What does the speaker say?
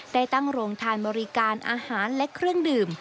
ได้ตั้งโรงทานบริการอาหารและเครื่องดื่ม